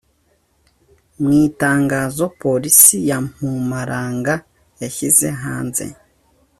Mu itangazo Polisi ya Mpumalanga yashyize hanze